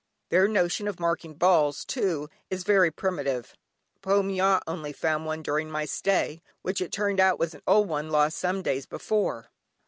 Their notion of marking balls, too, is very primitive; Po Mya only found one during my stay, which it turned out was an old one lost some days before.